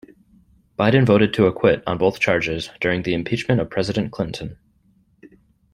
Biden voted to acquit on both charges during the impeachment of President Clinton.